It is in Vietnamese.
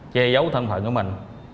che giấu thân phận của mình